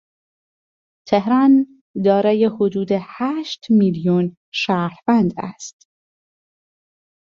تهران دارای حدود هشت میلیون شهروند است.